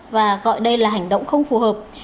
và gọi đây là hành động không phù hợp